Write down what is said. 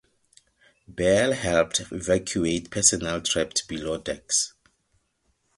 Bell helped evacuate personnel trapped below decks.